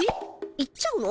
行っちゃうの？